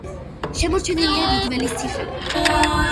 შემორჩენილია დიდველის ციხე.